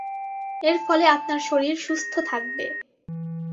এর ফলে আপনার শরীর সুস্থ থাকবে।